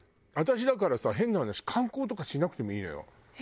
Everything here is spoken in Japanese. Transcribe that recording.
私だからさ変な話観光とかしなくてもいいのよ。